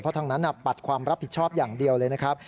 เพราะทางนั้นปัดความรับผิดชอบอย่างเดียวเลยนะครับ